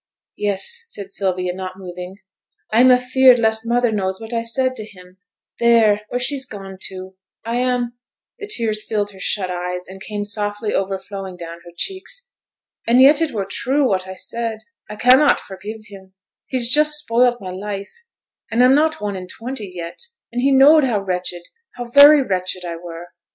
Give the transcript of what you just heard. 'Yes,' said Sylvia, not moving. 'I'm afeared lest mother knows what I said to him, there, where she's gone to I am ' the tears filled her shut eyes, and came softly overflowing down her cheeks; 'and yet it were true, what I said, I cannot forgive him; he's just spoilt my life, and I'm not one and twenty yet, and he knowed how wretched, how very wretched, I were.